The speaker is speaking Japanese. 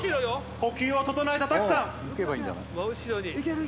呼吸を整えた拓さん。